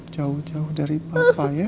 jauh jauh dari papa ya